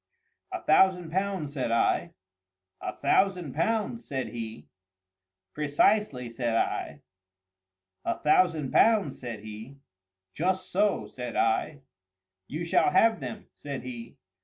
"A thousand pounds," said I. "A thousand pounds?" said he. "Precisely," said I. "A thousand pounds?" said he. "Just so," said I. "You shall have them," said he.